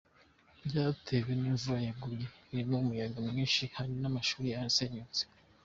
Byatewe n’imvura yaguye irimo n’umuyaga mwinshi hari n’amashuri yasenyutse.